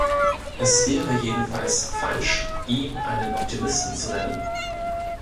Es wäre jedenfalls falsch, ihn einen Optimisten zu nennen.